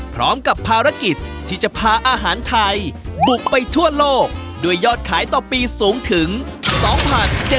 พร้อมกับภารกิจที่จะพาอาหารไทยบุกไปทั่วโลกด้วยยอดขายต่อปีสูงถึง๒๗๐๐